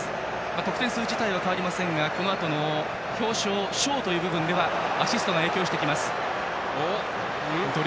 得点数自体は変わりませんが表彰、賞という部分ではアシストが影響してきます。